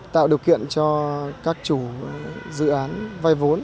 tạo điều kiện cho các chủ dự án vay vốn